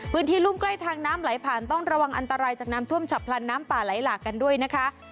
รุ่มใกล้ทางน้ำไหลผ่านต้องระวังอันตรายจากน้ำท่วมฉับพลันน้ำป่าไหลหลากกันด้วยนะคะ